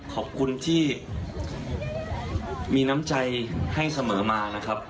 ขอบคุณที่มีน้ำใจให้เสมอมานะครับ